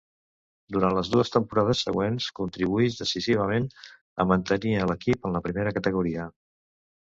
Durant les dues temporades següents contribuïx decisivament a mantenir a l'equip en la primera categoria.